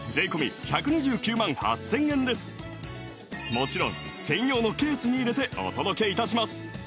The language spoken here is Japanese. もちろん専用のケースに入れてお届けいたします